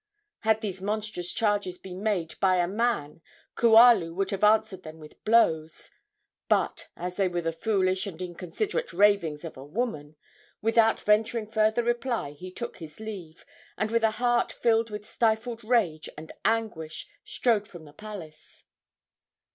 Had these monstrous charges been made by a man Kualu would have answered them with blows; but, as they were the foolish and inconsiderate ravings of a woman, without venturing further reply he took his leave, and with a heart filled with stifled rage and anguish strode from the palace.